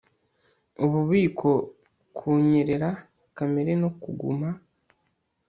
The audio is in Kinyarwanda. Ububiko kunyerera kamera no kuguma